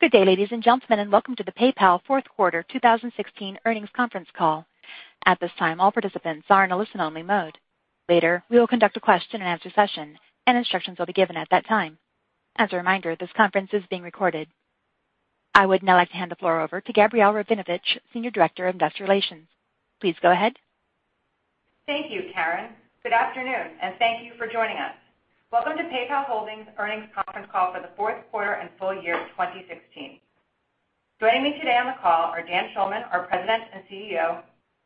Good day, ladies and gentlemen, welcome to the PayPal fourth quarter 2016 earnings conference call. At this time, all participants are in a listen-only mode. Later, we will conduct a question-and-answer session, instructions will be given at that time. As a reminder, this conference is being recorded. I would now like to hand the floor over to Gabrielle Rabinovitch, Senior Director of Investor Relations. Please go ahead. Thank you, Karen. Good afternoon, and thank you for joining us. Welcome to PayPal Holdings earnings conference call for the fourth quarter and full year of 2016. Joining me today on the call are Dan Schulman, our President and CEO,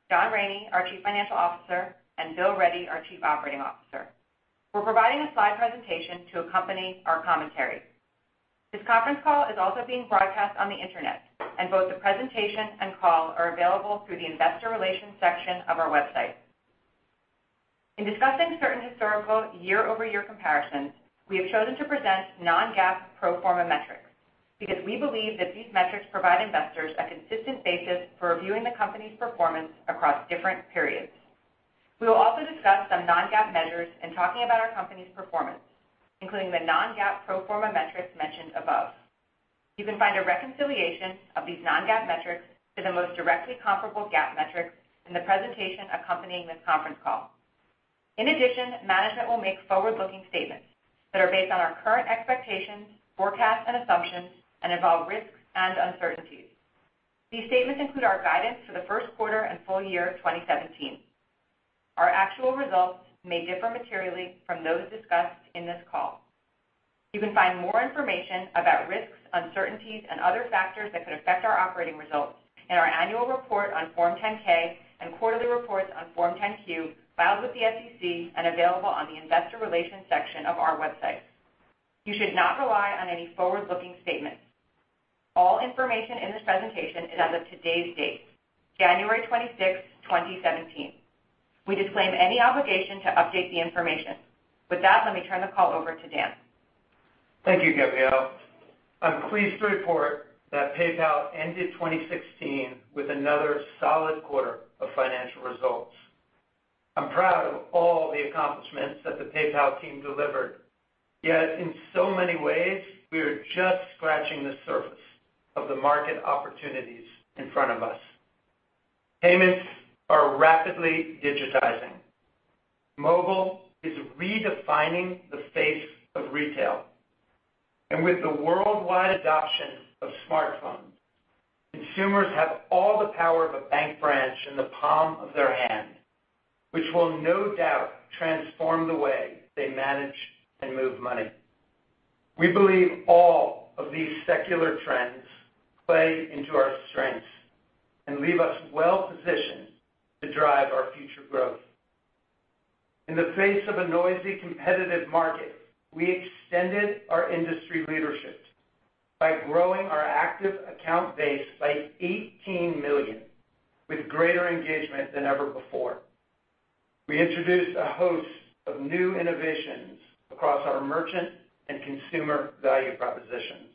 John Rainey, our Chief Financial Officer, and Bill Ready, our Chief Operating Officer. We are providing a slide presentation to accompany our commentary. This conference call is also being broadcast on the Internet, and both the presentation and call are available through the investor relations section of our website. In discussing certain historical year-over-year comparisons, we have chosen to present non-GAAP pro forma metrics because we believe that these metrics provide investors a consistent basis for reviewing the company's performance across different periods. We will also discuss some non-GAAP measures in talking about our company's performance, including the non-GAAP pro forma metrics mentioned above. You can find a reconciliation of these non-GAAP metrics to the most directly comparable GAAP metrics in the presentation accompanying this conference call. Management will make forward-looking statements that are based on our current expectations, forecasts, and assumptions and involve risks and uncertainties. These statements include our guidance for the first quarter and full year of 2017. Our actual results may differ materially from those discussed in this call. You can find more information about risks, uncertainties, and other factors that could affect our operating results in our annual report on Form 10-K and quarterly reports on Form 10-Q filed with the SEC and available on the investor relations section of our website. You should not rely on any forward-looking statements. All information in this presentation is as of today's date, January 26, 2017. We disclaim any obligation to update the information. With that, let me turn the call over to Dan. Thank you, Gabrielle. I'm pleased to report that PayPal ended 2016 with another solid quarter of financial results. I'm proud of all the accomplishments that the PayPal team delivered. Yet, in so many ways, we are just scratching the surface of the market opportunities in front of us. Payments are rapidly digitizing. Mobile is redefining the face of retail. With the worldwide adoption of smartphones, consumers have all the power of a bank branch in the palm of their hand, which will no doubt transform the way they manage and move money. We believe all of these secular trends play into our strengths and leave us well-positioned to drive our future growth. In the face of a noisy competitive market, we extended our industry leadership by growing our active account base by 18 million with greater engagement than ever before. We introduced a host of new innovations across our merchant and consumer value propositions.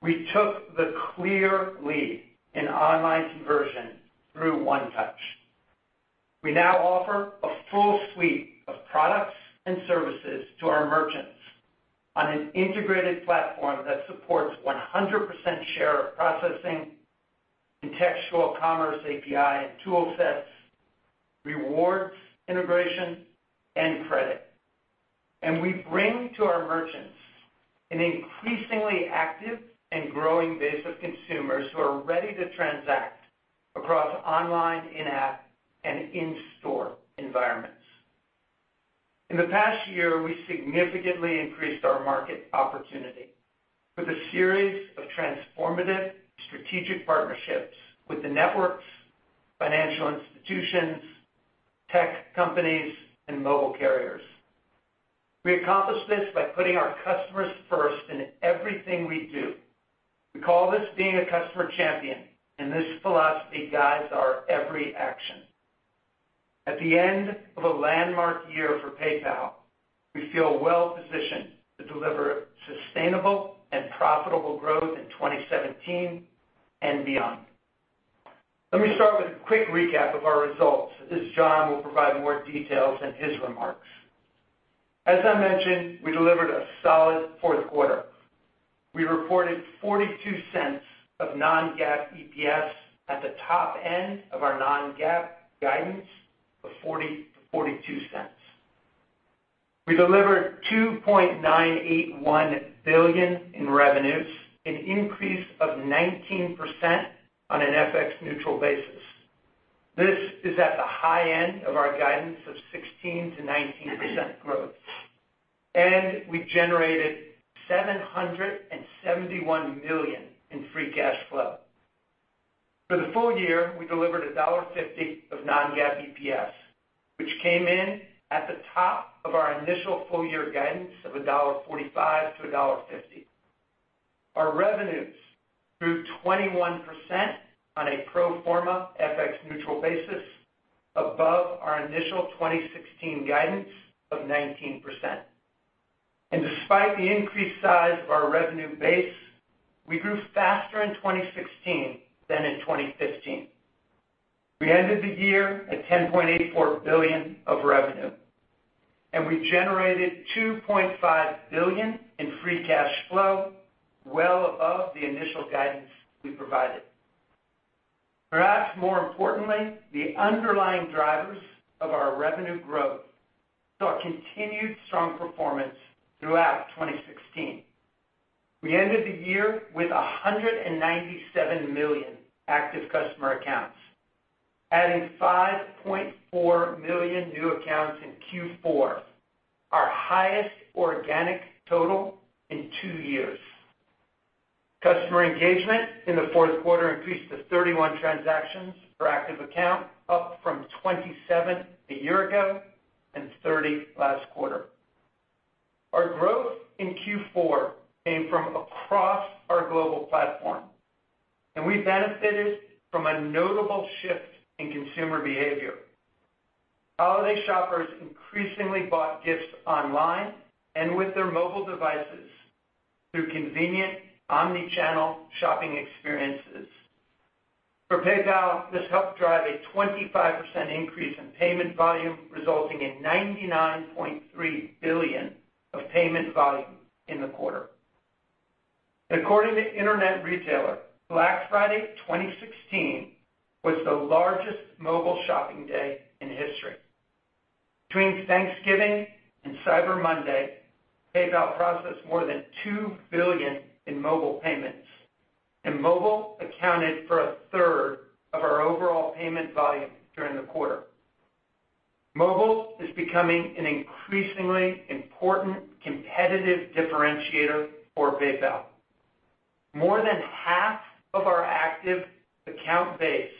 We took the clear lead in online conversion through One Touch. We now offer a full suite of products and services to our merchants on an integrated platform that supports 100% share of processing, contextual commerce API and tool sets, rewards integration, and credit. We bring to our merchants an increasingly active and growing base of consumers who are ready to transact across online, in-app, and in-store environments. In the past year, we significantly increased our market opportunity with a series of transformative strategic partnerships with the networks, financial institutions, tech companies, and mobile carriers. We accomplished this by putting our customers first in everything we do. We call this being a customer champion, and this philosophy guides our every action. At the end of a landmark year for PayPal, we feel well-positioned to deliver sustainable and profitable growth in 2017 and beyond. Let me start with a quick recap of our results, as John will provide more details in his remarks. As I mentioned, we delivered a solid fourth quarter. We reported $0.42 of non-GAAP EPS at the top end of our non-GAAP guidance of $0.40-$0.42. We delivered $2.981 billion in revenues, an increase of 19% on an FX neutral basis. This is at the high end of our guidance of 16%-19% growth. We generated $771 million in free cash flow. For the full year, we delivered $1.50 of non-GAAP EPS, which came in at the top of our initial full-year guidance of $1.45-$1.50. Our revenues grew 21% on a pro forma FX neutral basis above our initial 2016 guidance of 19%. Despite the increased size of our revenue base, we grew faster in 2016 than in 2015. We ended the year at $10.84 billion of revenue, and we generated $2.5 billion in free cash flow, well above the initial guidance we provided. Perhaps more importantly, the underlying drivers of our revenue growth saw continued strong performance throughout 2016. We ended the year with 197 million active customer accounts, adding 5.4 million new accounts in Q4, our highest organic total in two years. Customer engagement in the fourth quarter increased to 31 transactions per active account, up from 27 a year ago and 30 last quarter. Our growth in Q4 came from across our global platform, and we benefited from a notable shift in consumer behavior. Holiday shoppers increasingly bought gifts online and with their mobile devices through convenient omni-channel shopping experiences. For PayPal, this helped drive a 25% increase in payment volume, resulting in $99.3 billion of payment volume in the quarter. According to Internet Retailer, Black Friday 2016 was the largest mobile shopping day in history. Between Thanksgiving and Cyber Monday, PayPal processed more than $2 billion in mobile payments, and mobile accounted for a third of our overall payment volume during the quarter. Mobile is becoming an increasingly important competitive differentiator for PayPal. More than half of our active account base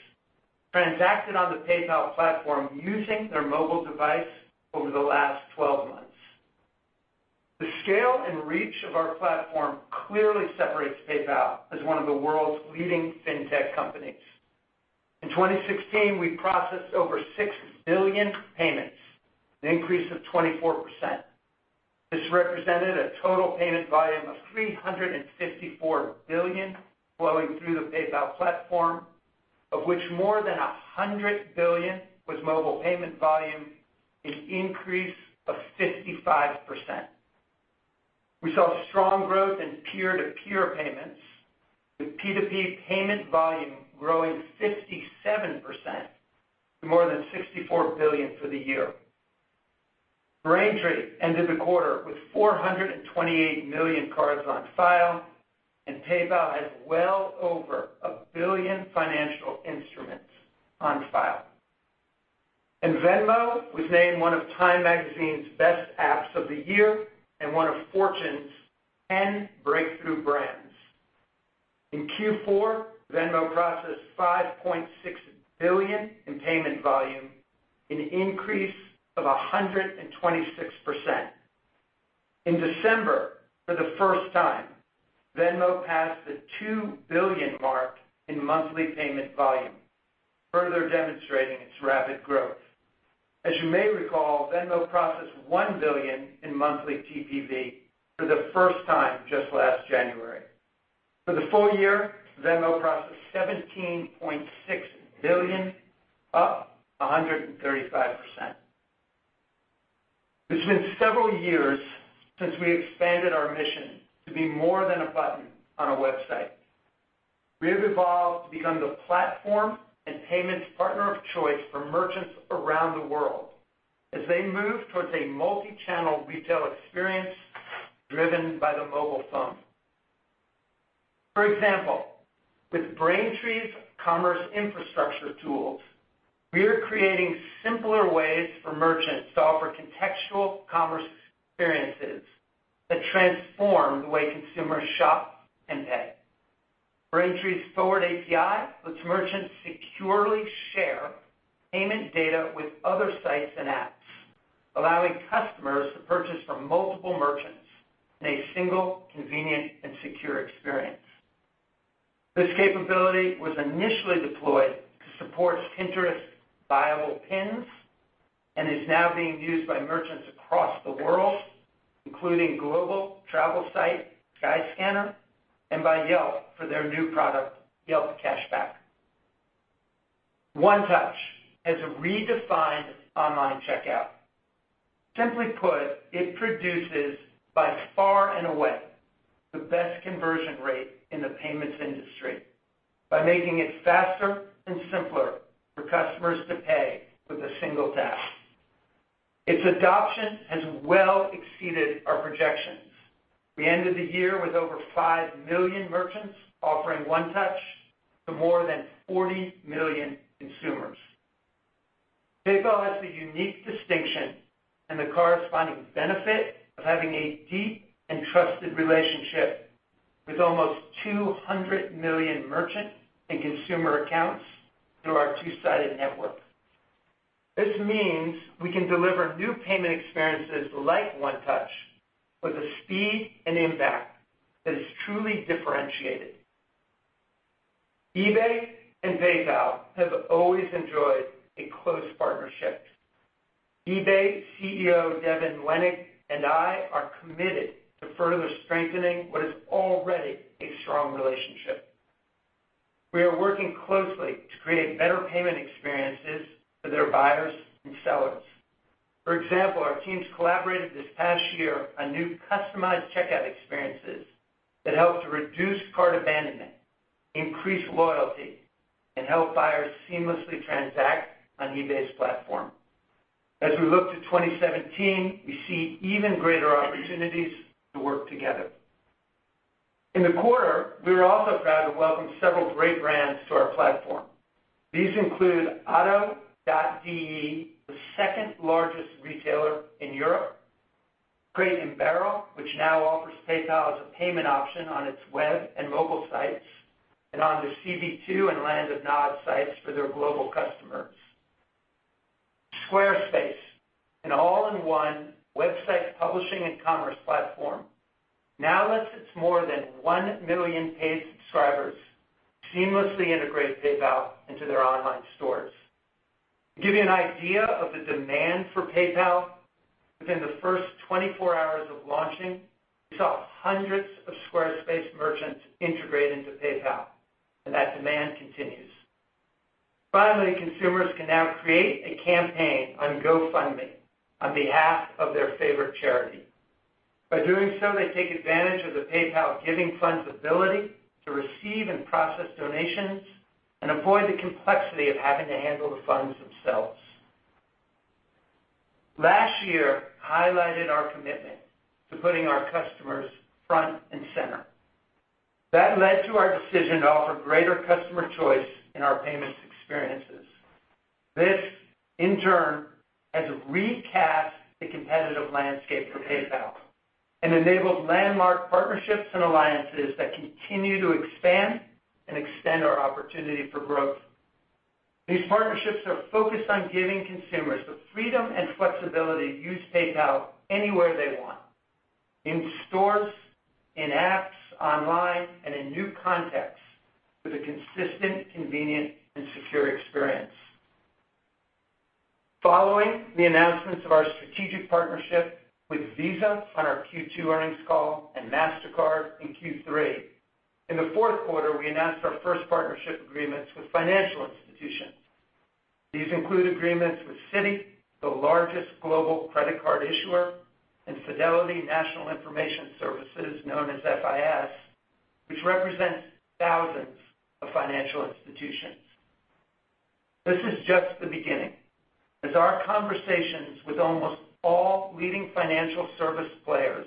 transacted on the PayPal platform using their mobile device over the last 12 months. The scale and reach of our platform clearly separates PayPal as one of the world's leading fintech companies. In 2016, we processed over 6 billion payments, an increase of 24%. This represented a total payment volume of $354 billion flowing through the PayPal platform, of which more than $100 billion was mobile payment volume, an increase of 55%. We saw strong growth in peer-to-peer payments, with P2P payment volume growing 57% to more than $64 billion for the year. Braintree ended the quarter with 428 million cards on file. PayPal has well over 1 billion financial instruments on file. Venmo was named one of Time Magazine's best apps of the year and one of Fortune's 10 breakthrough brands. In Q4, Venmo processed $5.6 billion in payment volume, an increase of 126%. In December, for the first time, Venmo passed the $2 billion mark in monthly payment volume, further demonstrating its rapid growth. As you may recall, Venmo processed $1 billion in monthly TPV for the first time just last January. For the full year, Venmo processed $17.6 billion, up 135%. It's been several years since we expanded our mission to be more than a button on a website. We have evolved to become the platform and payments partner of choice for merchants around the world as they move towards a multi-channel retail experience driven by the mobile phone. For example, with Braintree's commerce infrastructure tools, we are creating simpler ways for merchants to offer contextual commerce experiences that transform the way consumers shop and pay. Braintree's Forward API lets merchants securely share payment data with other sites and apps, allowing customers to purchase from multiple merchants in a single, convenient, and secure experience. This capability was initially deployed to support Pinterest Buyable Pins and is now being used by merchants across the world, including global travel site Skyscanner and by Yelp for their new product, Yelp Cash Back. One Touch is a redefined online checkout. Simply put, it produces by far and away the best conversion rate in the payments industry by making it faster and simpler for customers to pay with a single tap. Its adoption has well exceeded our projections. We ended the year with over 5 million merchants offering One Touch to more than 40 million consumers. PayPal has the unique distinction and the corresponding benefit of having a deep and trusted relationship with almost 200 million merchant and consumer accounts through our two-sided network. This means we can deliver new payment experiences like One Touch with a speed and impact that is truly differentiated. eBay and PayPal have always enjoyed a close partnership. eBay CEO Devin Wenig and I are committed to further strengthening what is already a strong relationship. We are working closely to create better payment experiences for their buyers and sellers. For example, our teams collaborated this past year on new customized checkout experiences that help to reduce cart abandonment, increase loyalty, and help buyers seamlessly transact on eBay's platform. As we look to 2017, we see even greater opportunities to work together. In the quarter, we were also proud to welcome several great brands to our platform. These include Otto.de, the second-largest retailer in Europe. Crate & Barrel, which now offers PayPal as a payment option on its web and mobile sites, and on their CB2 and Land of Nod sites for their global customers. Squarespace, an all-in-one website publishing and commerce platform, now lets its more than 1 million paid subscribers seamlessly integrate PayPal into their online stores. To give you an idea of the demand for PayPal, within the first 24 hours of launching, we saw hundreds of Squarespace merchants integrate into PayPal, and that demand continues. Finally, consumers can now create a campaign on GoFundMe on behalf of their favorite charity. By doing so, they take advantage of the PayPal Giving Fund ability to receive and process donations and avoid the complexity of having to handle the funds themselves. Last year highlighted our commitment to putting our customers front and center. That led to our decision to offer greater Customer Choice in our payments experiences. This, in turn, has recast the competitive landscape for PayPal and enabled landmark partnerships and alliances that continue to expand and extend our opportunity for growth. These partnerships are focused on giving consumers the freedom and flexibility to use PayPal anywhere they want, in stores, in apps, online, and in new contexts with a consistent, convenient, and secure experience. Following the announcements of our strategic partnership with Visa on our Q2 earnings call and Mastercard in Q3, in the fourth quarter, we announced our first partnership agreements with financial institutions. These include agreements with Citi, the largest global credit card issuer, and Fidelity National Information Services, known as FIS, which represents thousands of financial institutions. This is just the beginning, as our conversations with almost all leading financial service players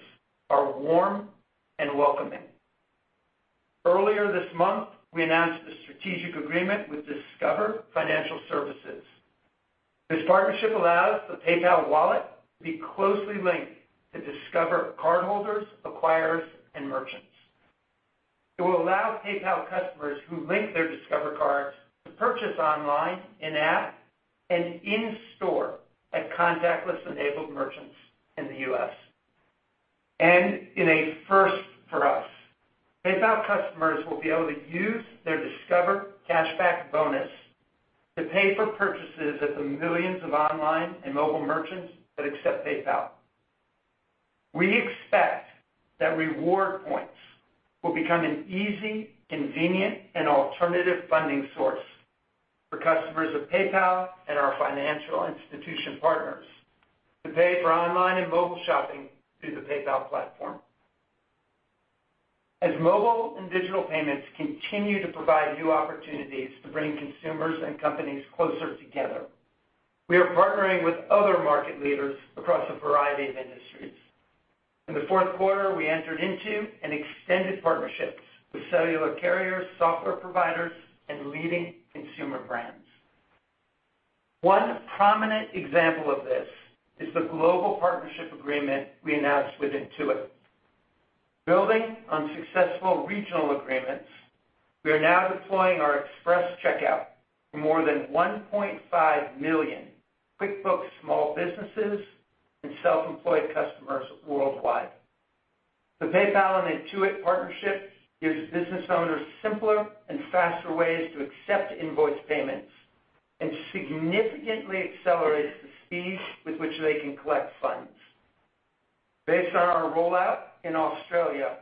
are warm and welcoming. Earlier this month, we announced a strategic agreement with Discover Financial Services. This partnership allows the PayPal wallet to be closely linked to Discover cardholders, acquirers, and merchants. It will allow PayPal customers who link their Discover cards to purchase online, in-app, and in-store at contactless-enabled merchants in the U.S. In a first for us, PayPal customers will be able to use their Discover Cashback Bonus to pay for purchases at the millions of online and mobile merchants that accept PayPal. We expect that reward points will become an easy, convenient, and alternative funding source for customers of PayPal and our financial institution partners to pay for online and mobile shopping through the PayPal platform. As mobile and digital payments continue to provide new opportunities to bring consumers and companies closer together, we are partnering with other market leaders across a variety of industries. In the fourth quarter, we entered into and extended partnerships with cellular carriers, software providers, and leading consumer brands. One prominent example of this is the global partnership agreement we announced with Intuit. Building on successful regional agreements, we are now deploying our Express Checkout to more than 1.5 million QuickBooks small businesses and self-employed customers worldwide. The PayPal and Intuit partnership gives business owners simpler and faster ways to accept invoice payments and significantly accelerates the speeds with which they can collect funds. Based on our rollout in Australia,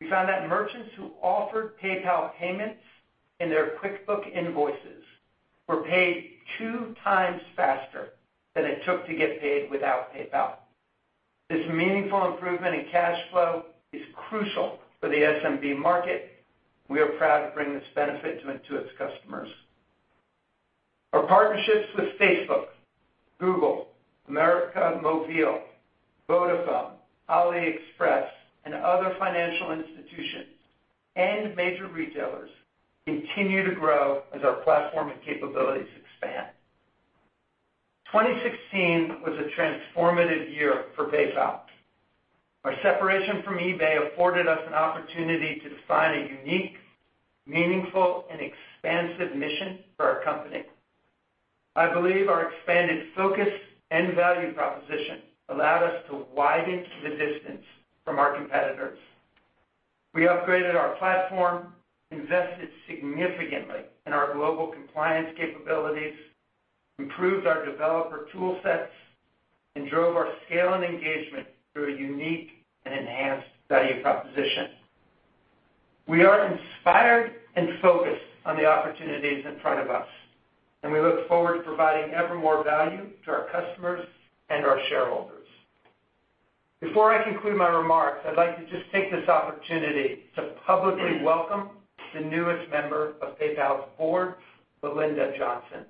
we found that merchants who offered PayPal payments in their QuickBooks invoices were paid 2x faster than it took to get paid without PayPal. This meaningful improvement in cash flow is crucial for the SMB market. We are proud to bring this benefit to Intuit's customers. Our partnerships with Facebook, Google, América Móvil, Vodafone, AliExpress, and other financial institutions and major retailers continue to grow as our platform and capabilities expand. 2016 was a transformative year for PayPal. Our separation from eBay afforded us an opportunity to define a unique, meaningful, and expansive mission for our company. I believe our expanded focus and value proposition allowed us to widen the distance from our competitors. We upgraded our platform, invested significantly in our global compliance capabilities, improved our developer tool sets, and drove our scale and engagement through a unique and enhanced value proposition. We are inspired and focused on the opportunities in front of us, and we look forward to providing ever more value to our customers and our shareholders. Before I conclude my remarks, I'd like to just take this opportunity to publicly welcome the newest member of PayPal's board, Belinda Johnson.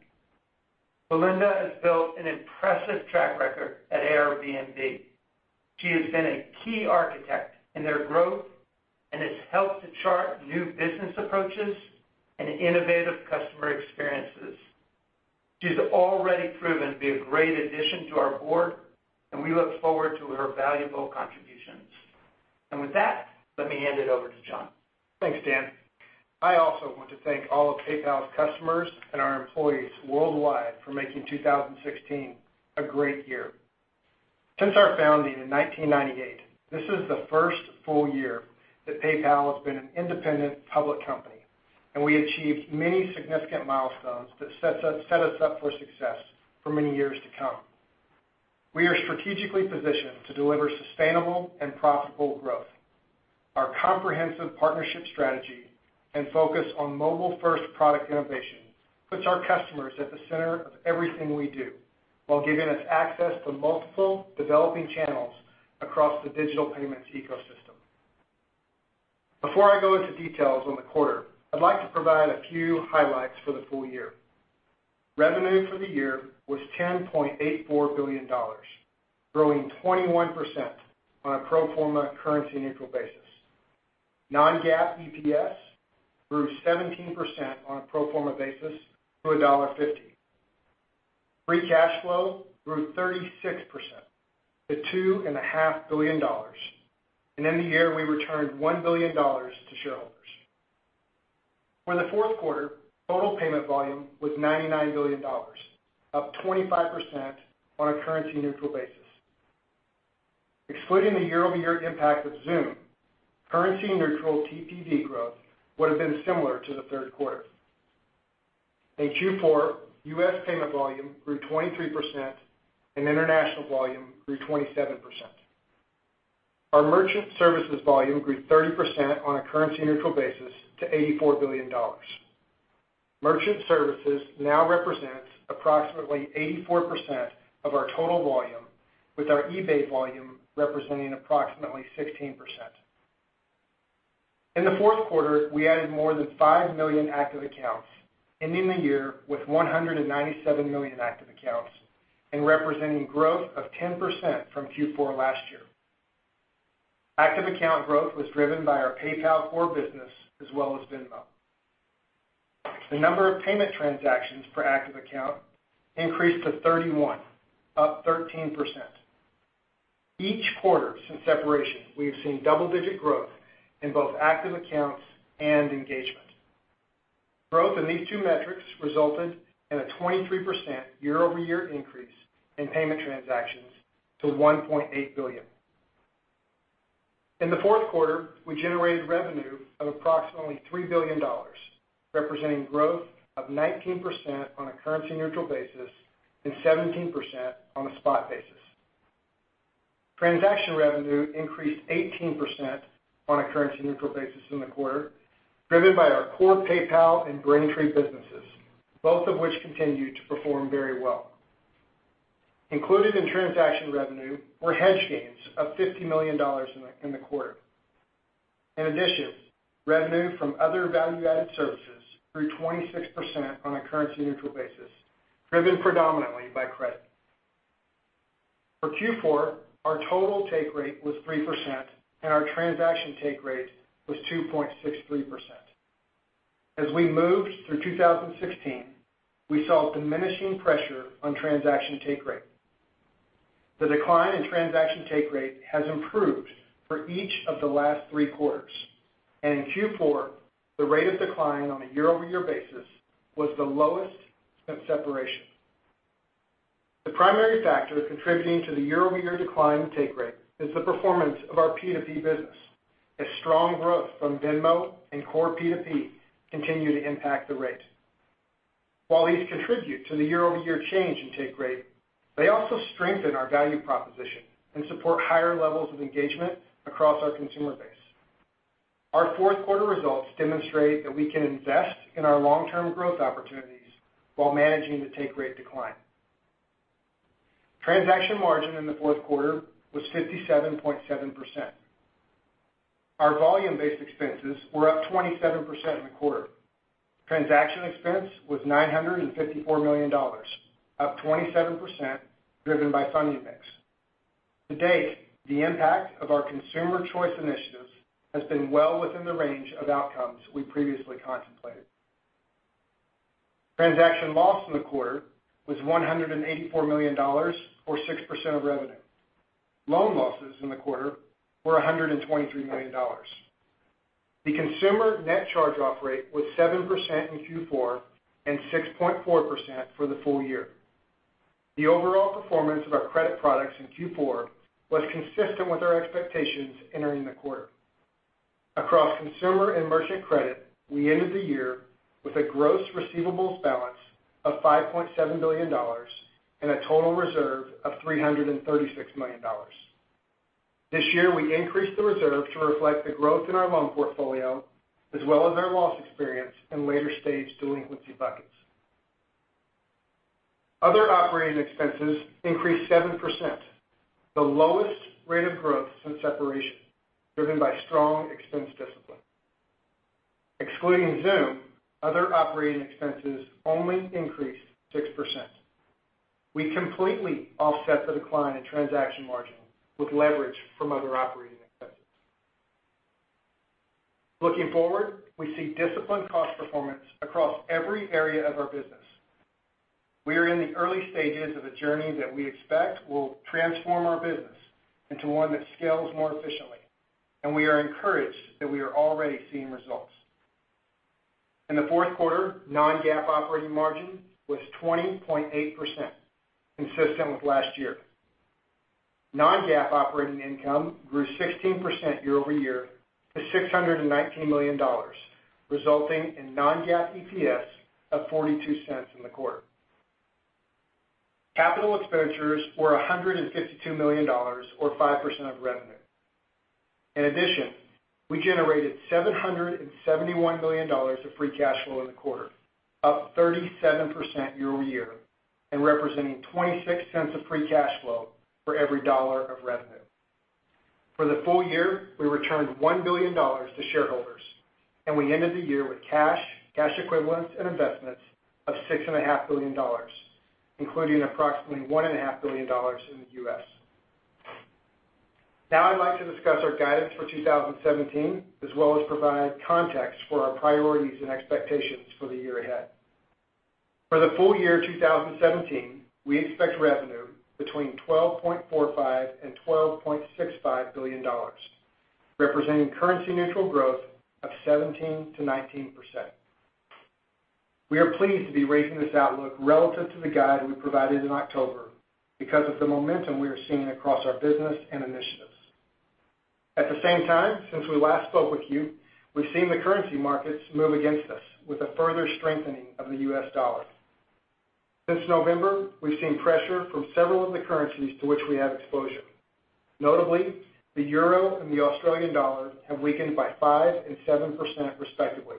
Belinda has built an impressive track record at Airbnb. She has been a key architect in their growth and has helped to chart new business approaches and innovative customer experiences. She's already proven to be a great addition to our board, and we look forward to her valuable contributions. With that, let me hand it over to John. Thanks, Dan. I also want to thank all of PayPal's customers and our employees worldwide for making 2016 a great year. Since our founding in 1998, this is the first full year that PayPal has been an independent public company. We achieved many significant milestones that set us up for success for many years to come. We are strategically positioned to deliver sustainable and profitable growth. Our comprehensive partnership strategy and focus on mobile-first product innovation puts our customers at the center of everything we do while giving us access to multiple developing channels across the digital payments ecosystem. Before I go into details on the quarter, I'd like to provide a few highlights for the full year. Revenue for the year was $10.84 billion, growing 21% on a pro forma currency neutral basis. Non-GAAP EPS grew 17% on a pro forma basis to $1.50. Free cash flow grew 36% to $2.5 billion. In the year, we returned $1 billion to shareholders. For the fourth quarter, total payment volume was $99 billion, up 25% on a currency neutral basis. Excluding the year-over-year impact of Xoom, currency neutral TPV growth would have been similar to the third quarter. In Q4, U.S. payment volume grew 23%, and international volume grew 27%. Our merchant services volume grew 30% on a currency neutral basis to $84 billion. Merchant services now represents approximately 84% of our total volume, with our eBay volume representing approximately 16%. In the fourth quarter, we added more than 5 million active accounts, ending the year with 197 million active accounts and representing growth of 10% from Q4 last year. Active account growth was driven by our PayPal core business as well as Venmo. The number of payment transactions per active account increased to 31, up 13%. Each quarter since separation, we have seen double-digit growth in both active accounts and engagement. Growth in these two metrics resulted in a 23% year-over-year increase in payment transactions to 1.8 billion. In the fourth quarter, we generated revenue of approximately $3 billion, representing growth of 19% on a currency neutral basis and 17% on a spot basis. Transaction revenue increased 18% on a currency neutral basis in the quarter, driven by our core PayPal and Braintree businesses, both of which continued to perform very well. Included in transaction revenue were hedge gains of $50 million in the quarter. In addition, revenue from other value-added services grew 26% on a currency neutral basis, driven predominantly by credit. For Q4, our total take rate was 3%, and our transaction take rate was 2.63%. As we moved through 2016, we saw diminishing pressure on transaction take rate. The decline in transaction take rate has improved for each of the last three quarters, and in Q4, the rate of decline on a year-over-year basis was the lowest since separation. The primary factor contributing to the year-over-year decline in take rate is the performance of our P2P business, as strong growth from Venmo and core P2P continue to impact the rate. While these contribute to the year-over-year change in take rate, they also strengthen our value proposition and support higher levels of engagement across our consumer base. Our fourth quarter results demonstrate that we can invest in our long-term growth opportunities while managing the take rate decline. Transaction margin in the fourth quarter was 57.7%. Our volume-based expenses were up 27% in the quarter. Transaction expense was $954 million, up 27%, driven by funding mix. To date, the impact of our consumer choice initiatives has been well within the range of outcomes we previously contemplated. Transaction loss in the quarter was $184 million or 6% of revenue. Loan losses in the quarter were $123 million. The consumer net charge-off rate was 7% in Q4 and 6.4% for the full year. The overall performance of our credit products in Q4 was consistent with our expectations entering the quarter. Across consumer and merchant credit, we ended the year with a gross receivables balance of $5.7 billion and a total reserve of $336 million. This year, we increased the reserve to reflect the growth in our loan portfolio as well as our loss experience in later stage delinquency buckets. Other operating expenses increased 7%, the lowest rate of growth since separation, driven by strong expense discipline. Excluding Xoom, other operating expenses only increased 6%. We completely offset the decline in transaction margin with leverage from other operating expenses. Looking forward, we see disciplined cost performance across every area of our business. We are in the early stages of a journey that we expect will transform our business into one that scales more efficiently, and we are encouraged that we are already seeing results. In the fourth quarter, non-GAAP operating margin was 20.8%, consistent with last year. Non-GAAP operating income grew 16% year-over-year to $619 million, resulting in non-GAAP EPS of $0.42 in the quarter. Capital expenditures were $152 million or 5% of revenue. In addition, we generated $771 million of free cash flow in the quarter, up 37% year-over-year and representing $0.26 of free cash flow for every dollar of revenue. For the full year, we returned $1 billion to shareholders, and we ended the year with cash equivalents and investments of $6.5 billion, including approximately $1.5 Billion in the U.S. Now I'd like to discuss our guidance for 2017, as well as provide context for our priorities and expectations for the year ahead. For the full year 2017, we expect revenue between $12.45 billion and $12.65 billion, representing currency neutral growth of 17%-19%. We are pleased to be raising this outlook relative to the guide we provided in October because of the momentum we are seeing across our business and initiatives. At the same time, since we last spoke with you, we've seen the currency markets move against us with a further strengthening of the US dollar. Since November, we've seen pressure from several of the currencies to which we have exposure. Notably, the euro and the Australian dollar have weakened by 5% and 7% respectively.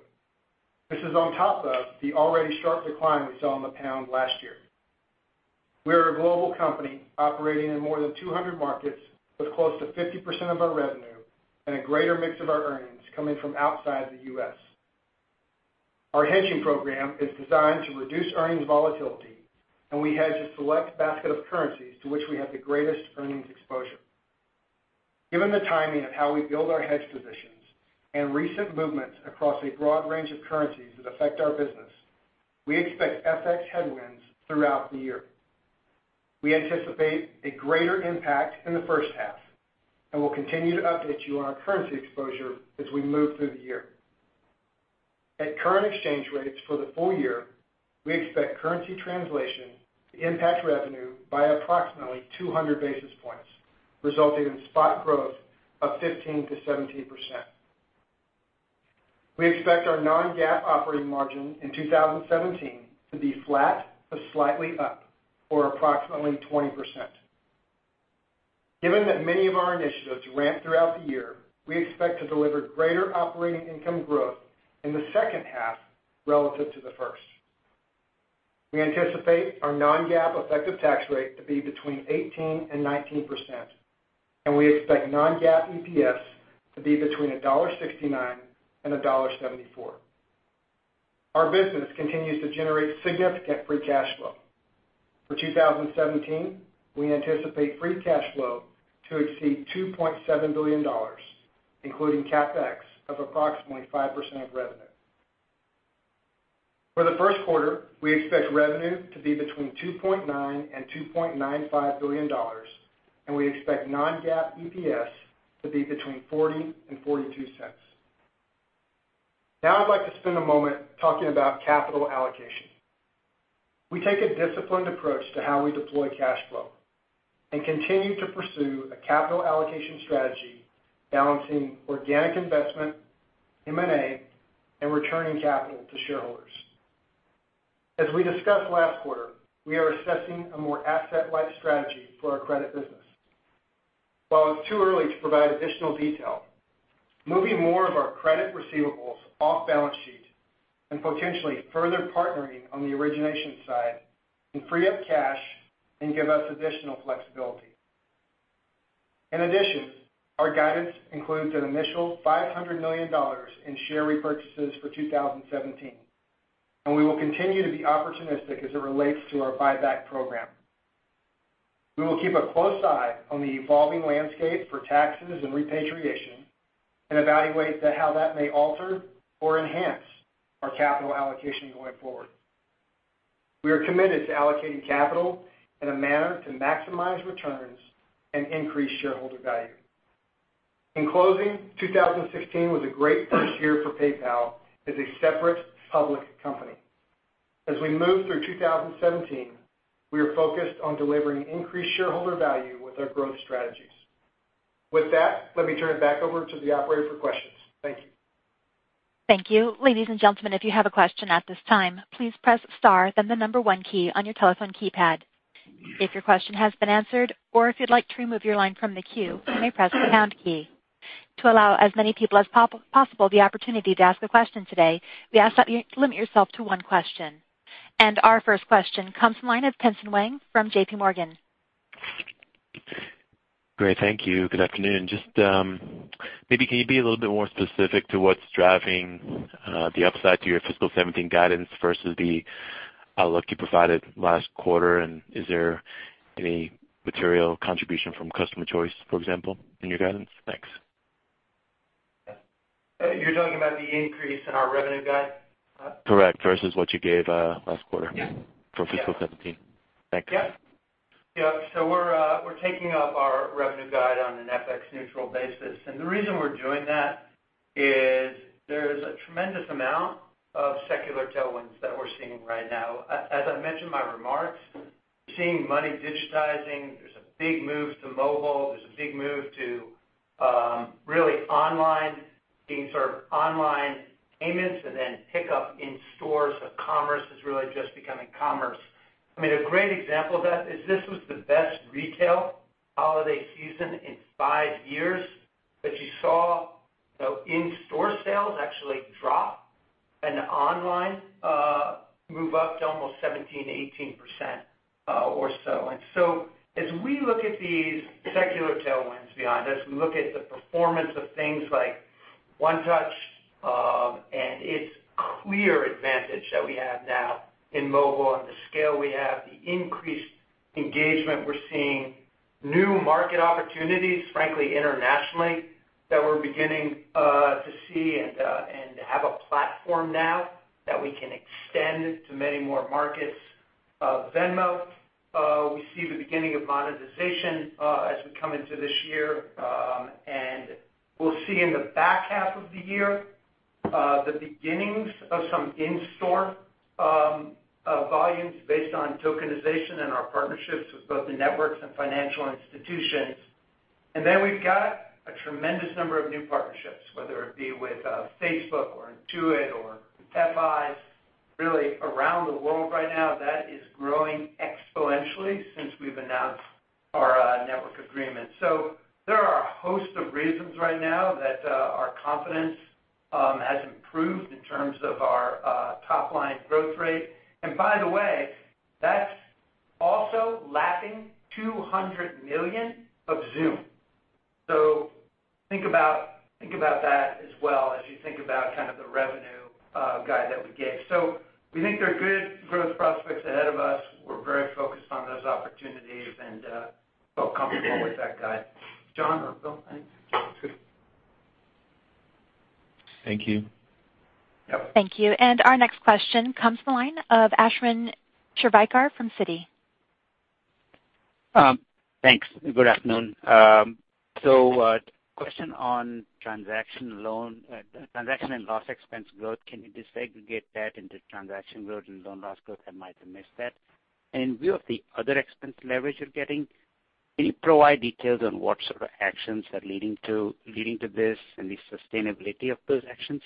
This is on top of the already sharp decline we saw in the pound last year. We are a global company operating in more than 200 markets with close to 50% of our revenue and a greater mix of our earnings coming from outside the U.S. Our hedging program is designed to reduce earnings volatility, and we hedge a select basket of currencies to which we have the greatest earnings exposure. Given the timing of how we build our hedge positions and recent movements across a broad range of currencies that affect our business, we expect FX headwinds throughout the year. We anticipate a greater impact in the first half, and we'll continue to update you on our currency exposure as we move through the year. At current exchange rates for the full year, we expect currency translation to impact revenue by approximately 200 basis points, resulting in spot growth of 15%-17%. We expect our non-GAAP operating margin in 2017 to be flat to slightly up or approximately 20%. Given that many of our initiatives ramp throughout the year, we expect to deliver greater operating income growth in the second half relative to the first. We anticipate our non-GAAP effective tax rate to be between 18%-19%, and we expect non-GAAP EPS to be between $1.69-$1.74. Our business continues to generate significant free cash flow. For 2017, we anticipate free cash flow to exceed $2.7 billion, including CapEx of approximately 5% of revenue. For the first quarter, we expect revenue to be between $2.9 billion-$2.95 billion, and we expect non-GAAP EPS to be between $0.40-$0.42. Now I'd like to spend a moment talking about capital allocation. We take a disciplined approach to how we deploy cash flow and continue to pursue a capital allocation strategy balancing organic investment, M&A, and returning capital to shareholders. As we discussed last quarter, we are assessing a more asset-light strategy for our credit business. While it's too early to provide additional detail, moving more of our credit receivables off balance sheet and potentially further partnering on the origination side can free up cash and give us additional flexibility. In addition, our guidance includes an initial $500 million in share repurchases for 2017, and we will continue to be opportunistic as it relates to our buyback program. We will keep a close eye on the evolving landscape for taxes and repatriation and evaluate how that may alter or enhance our capital allocation going forward. We are committed to allocating capital in a manner to maximize returns and increase shareholder value. In closing, 2016 was a great first year for PayPal as a separate public company. As we move through 2017, we are focused on delivering increased shareholder value with our growth strategies. With that, let me turn it back over to the operator for questions. Thank you. Thank you. Ladies and gentlemen, if you have a question at this time, please press star then the number one key on your telephone keypad. If your question has been answered or if you'd like to remove your line from the queue, you may press the pound key. To allow as many people as possible the opportunity to ask a question today, we ask that you limit yourself to one question. Our first question comes from the line of Tien-Tsin Huang from JPMorgan. Great. Thank you. Good afternoon. Just, maybe can you be a little bit more specific to what's driving the upside to your fiscal 2017 guidance versus the outlook you provided last quarter? Is there any material contribution from Customer Choice, for example, in your guidance? Thanks. You're talking about the increase in our revenue guide? Correct, versus what you gave, last quarter. Yeah, yeah. for fiscal 2017. Thanks. Yeah. Yeah. We're taking up our revenue guide on an FX neutral basis. The reason we're doing that is there's a tremendous amount of secular tailwinds that we're seeing right now. As I mentioned in my remarks, we're seeing money digitizing. There's a big move to mobile. There's a big move to really online being sort of online payments and then pickup in stores. Commerce is really just becoming commerce. I mean, a great example of that is this was the best retail holiday season in five years, but you saw the in-store sales actually drop and online move up to almost 17%-18% or so. As we look at these secular tailwinds behind us, we look at the performance of things like One Touch, and its clear advantage that we have now in mobile and the scale we have, the increased engagement we're seeing, new market opportunities, frankly, internationally that we're beginning to see and have a platform now that we can extend to many more markets. Venmo, we see the beginning of monetization as we come into this year, and we'll see in the back half of the year, the beginnings of some in-store volumes based on tokenization and our partnerships with both the networks and financial institutions. We've got a tremendous number of new partnerships, whether it be with Facebook or Intuit or FIs, really around the world right now. That is growing exponentially since we've announced our network agreement. There are a host of reasons right now that our confidence has improved in terms of our top-line growth rate. By the way, that's also lapping $200 million of Xoom. Think about that as well as you think about kind of the revenue guide that we gave. We think there are good growth prospects ahead of us. We're very focused on those opportunities and feel comfortable with that guide. John or Bill, I think. Thank you. Yep. Thank you. Our next question comes from the line of Ashwin Shirvaikar from Citi. Thanks. Good afternoon. Question on transaction loan, transaction and loss expense growth. Can you disaggregate that into transaction growth and loan loss growth? I might have missed that. In view of the other expense leverage you're getting, can you provide details on what sort of actions are leading to this and the sustainability of those actions?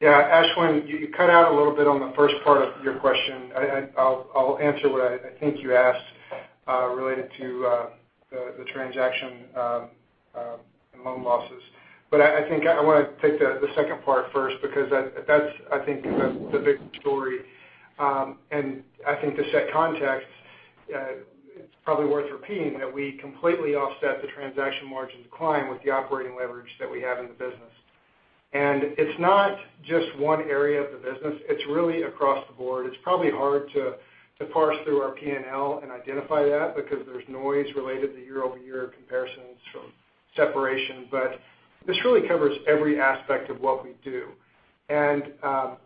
Yeah, Ashwin, you cut out a little bit on the first part of your question. I'll answer what I think you asked related to the transaction loan losses. I think I wanna take the second part first because that's, I think, the big story. I think to set context, it's probably worth repeating that we completely offset the transaction margin decline with the operating leverage that we have in the business. It's not just one area of the business, it's really across the board. It's probably hard to parse through our P&L and identify that because there's noise related to year-over-year comparisons from separation. This really covers every aspect of what we do. What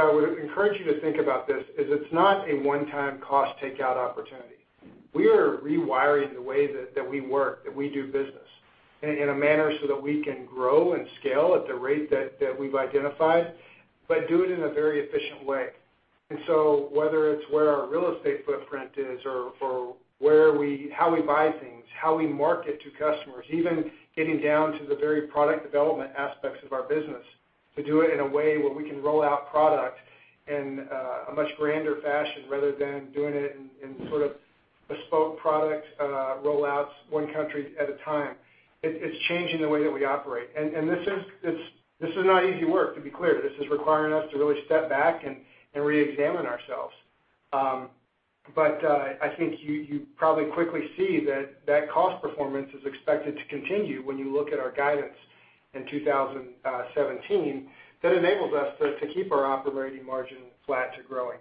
I would encourage you to think about this is it's not a one-time cost takeout opportunity. We are rewiring the way that we work, that we do business in a manner so that we can grow and scale at the rate that we've identified, but do it in a very efficient way. Whether it's where our real estate footprint is or how we buy things, how we market to customers, even getting down to the very product development aspects of our business to do it in a way where we can roll out product in a much grander fashion rather than doing it in sort of bespoke product rollouts one country at a time. It's changing the way that we operate. This is not easy work, to be clear. This is requiring us to really step back and reexamine ourselves. I think you probably quickly see that cost performance is expected to continue when you look at our guidance in 2017. That enables us to keep our operating margin flat to growing.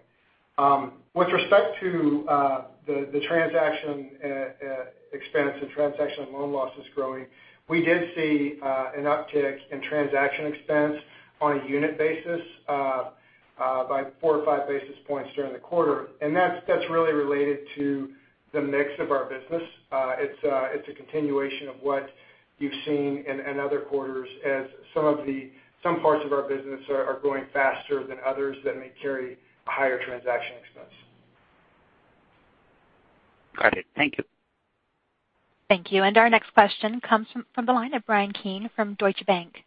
With respect to the transaction expense and transaction loan losses growing, we did see an uptick in transaction expense on a unit basis by 4 or 5 basis points during the quarter. That's really related to the mix of our business. It's a continuation of what you've seen in other quarters as some parts of our business are growing faster than others that may carry a higher transaction expense. Got it. Thank you. Thank you. Our next question comes from the line of Bryan Keane from Deutsche Bank.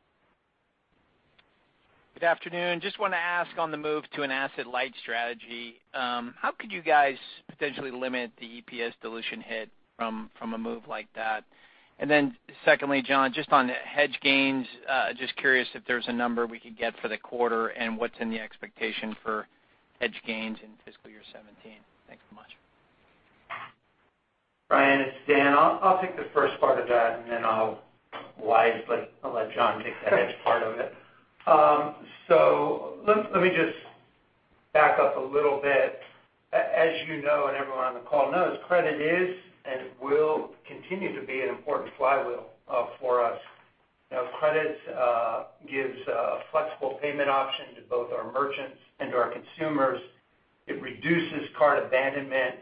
Good afternoon. Just wanna ask on the move to an asset-light strategy, how could you guys potentially limit the EPS dilution hit from a move like that? Secondly, John, just on hedge gains, just curious if there's a number we could get for the quarter and what's in the expectation for hedge gains in fiscal year 2017. Thanks so much. Bryan, it's Dan. I'll take the first part of that, and then I'll wisely let John take the hedge part of it. Let me just back up a little bit. As you know, and everyone on the call knows, credit is and will continue to be an important flywheel for us. Now credit gives a flexible payment option to both our merchants and to our consumers. It reduces card abandonment,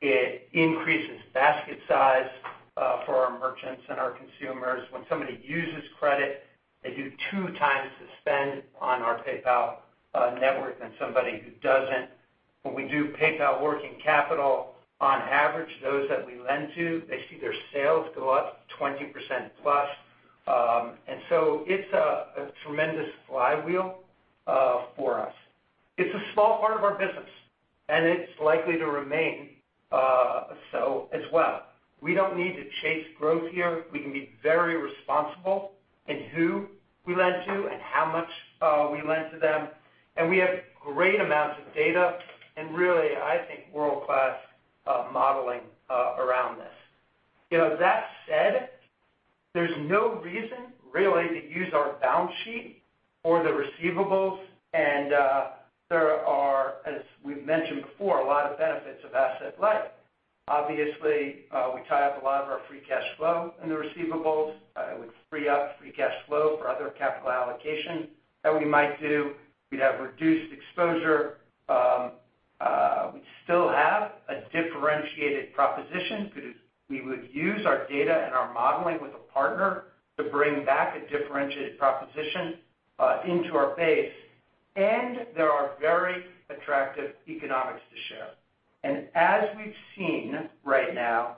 it increases basket size for our merchants and our consumers. When somebody uses credit, they do two times the spend on our PayPal network than somebody who doesn't. When we do PayPal Working Capital, on average, those that we lend to, they see their sales go up 20% plus. It's a tremendous flywheel for us. It's a small part of our business, it's likely to remain so as well. We don't need to chase growth here. We can be very responsible in who we lend to and how much we lend to them. We have great amounts of data, and really, I think world-class modeling around this. You know, that said, there's no reason really to use our balance sheet for the receivables and there are, as we've mentioned before, a lot of benefits of asset light. Obviously, we tie up a lot of our free cash flow in the receivables. It would free up free cash flow for other capital allocation that we might do. We'd have reduced exposure. We still have a differentiated proposition because we would use our data and our modeling with a partner to bring back a differentiated proposition into our base. There are very attractive economics to share. As we've seen right now,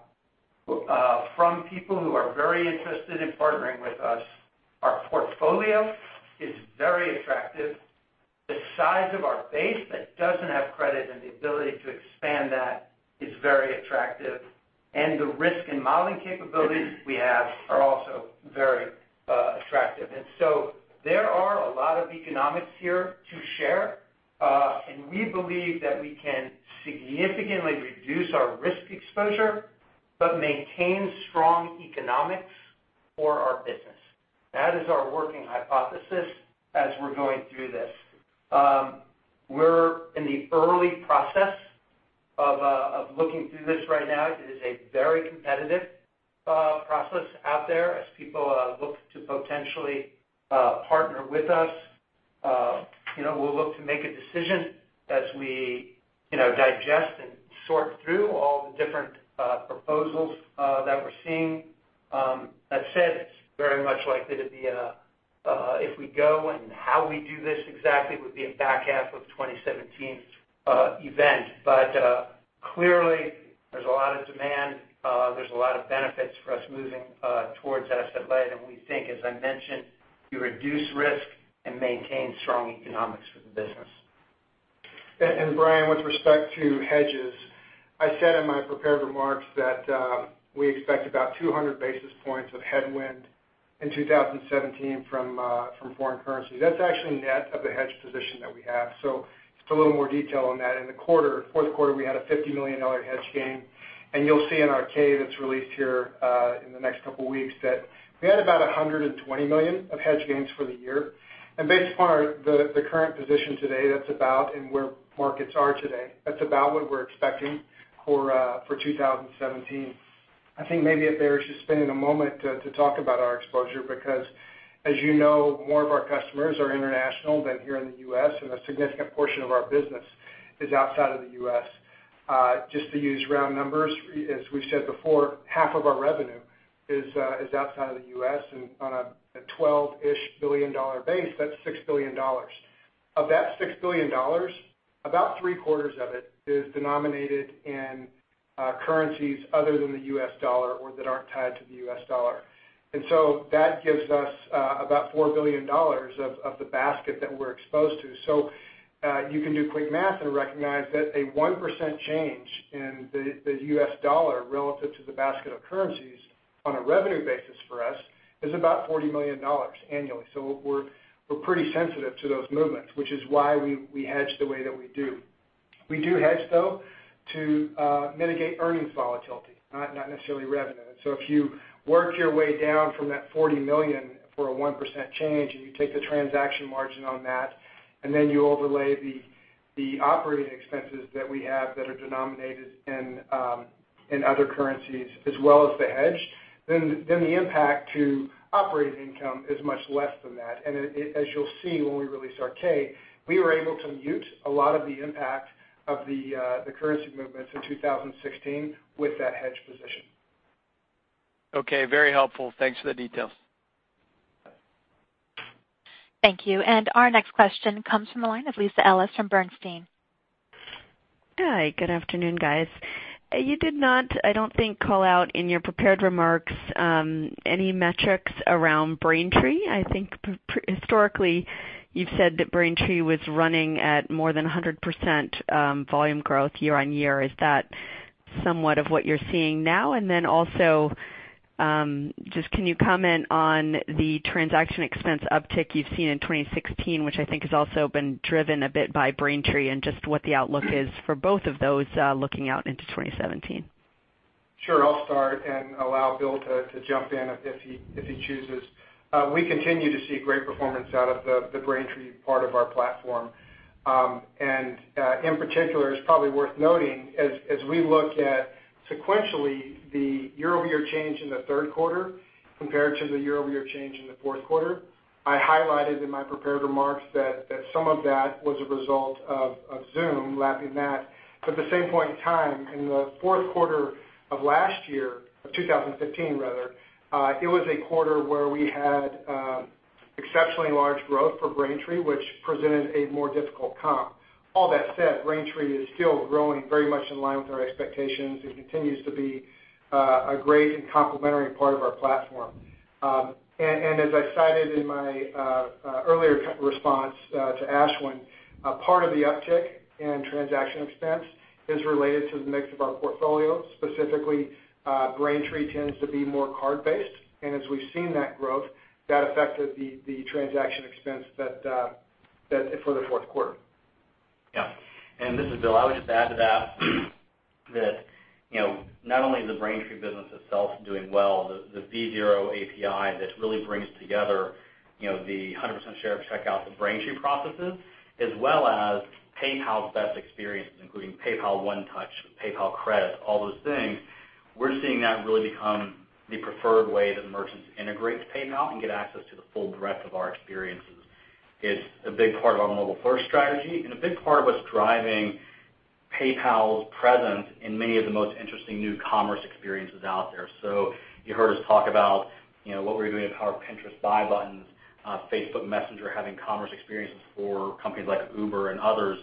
from people who are very interested in partnering with us, our portfolio is very attractive. The size of our base that doesn't have credit and the ability to expand that is very attractive, and the risk and modeling capabilities we have are also very attractive. There are a lot of economics here to share, and we believe that we can significantly reduce our risk exposure, but maintain strong economics for our business. That is our working hypothesis as we're going through this. We're in the early process of looking through this right now. It is a very competitive process out there as people look to potentially partner with us. You know, we'll look to make a decision as we, you know, digest and sort through all the different proposals that we're seeing. That said, it's very much likely to be, if we go and how we do this exactly would be a back half of 2017 event. Clearly there's a lot of demand, there's a lot of benefits for us moving towards asset light. We think, as I mentioned, we reduce risk and maintain strong economics for the business. Bryan, with respect to hedges, I said in my prepared remarks that we expect about 200 basis points of headwind in 2017 from foreign currency. That's actually net of the hedge position that we have. Just a little more detail on that. In the fourth quarter, we had a $50 million hedge gain, and you'll see in our Form 10-K that's released here in the next couple weeks that we had about $120 million of hedge gains for the year. Based upon the current position today, that's about, and where markets are today, that's about what we're expecting for 2017. I think maybe it bears just spending a moment to talk about our exposure because, as you know, more of our customers are international than here in the U.S., and a significant portion of our business is outside of the U.S. Just to use round numbers, as we've said before, half of our revenue is outside of the U.S., on a $12 billion base, that's $6 billion. Of that $6 billion, about three quarters of it is denominated in currencies other than the U.S. dollar or that aren't tied to the U.S. dollar. That gives us about $4 billion of the basket that we're exposed to. You can do quick math and recognize that a 1% change in the U.S. dollar relative to the basket of currencies on a revenue basis for us is about $40 million annually. We're pretty sensitive to those movements, which is why we hedge the way that we do. We do hedge though to mitigate earnings volatility, not necessarily revenue. If you work your way down from that $40 million for a 1% change, and you take the transaction margin on that, and then you overlay the operating expenses that we have that are denominated in. In other currencies as well as the hedge, then the impact to operating income is much less than that. As you'll see when we release our K, we were able to mute a lot of the impact of the currency movements in 2016 with that hedge position. Okay, very helpful. Thanks for the details. Thank you. Our next question comes from the line of Lisa Ellis from Bernstein. Hi, good afternoon, guys. You did not, I don't think, call out in your prepared remarks, any metrics around Braintree. I think historically you've said that Braintree was running at more than 100% volume growth year-on-year. Is that somewhat of what you're seeing now? Just can you comment on the transaction expense uptick you've seen in 2016, which I think has also been driven a bit by Braintree, and just what the outlook is for both of those, looking out into 2017. Sure. I'll start and allow Bill to jump in if he chooses. We continue to see great performance out of the Braintree part of our platform. In particular, it's probably worth noting as we look at sequentially the year-over-year change in the third quarter compared to the year-over-year change in the fourth quarter, I highlighted in my prepared remarks that some of that was a result of Xoom lapping that. At the same point in time, in the fourth quarter of last year, of 2015 rather, it was a quarter where we had exceptionally large growth for Braintree, which presented a more difficult comp. All that said, Braintree is still growing very much in line with our expectations and continues to be a great and complementary part of our platform. As I cited in my earlier response, to Ashwin, part of the uptick in transaction expense is related to the mix of our portfolio. Specifically, Braintree tends to be more card-based. As we've seen that growth, that affected the transaction expense for the fourth quarter. Yeah. This is Bill. I would just add to that, you know, not only is the Braintree business itself doing well, the v.zero API that really brings together, you know, the 100% share of checkout that Braintree processes, as well as PayPal's best experiences, including PayPal One Touch, PayPal Credit, all those things, we're seeing that really become the preferred way that merchants integrate to PayPal and get access to the full breadth of our experiences. It's a big part of our mobile-first strategy and a big part of what's driving PayPal's presence in many of the most interesting new commerce experiences out there. You heard us talk about, you know, what we're doing to power Pinterest buy buttons, Facebook Messenger having commerce experiences for companies like Uber and others.